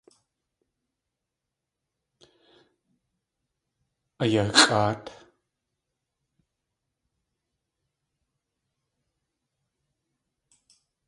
Ayaxʼáat.